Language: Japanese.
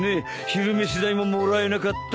昼飯代ももらえなかったんだ。